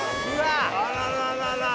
あらららら。